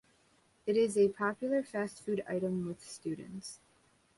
It is a popular fast food item with students.